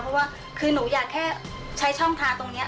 เพราะว่าคือหนูอยากแค่ใช้ช่องทางตรงนี้